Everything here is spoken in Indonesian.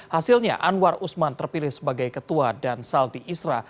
hasilnya anwar usman terpilih sebagai ketua dan saldi isra